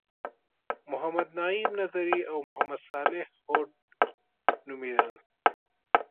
محمد نعیم نظري او محمد صالح هوډ نومیدل.